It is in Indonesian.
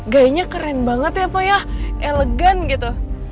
gayanya keren banget ya pak ya elegan gitu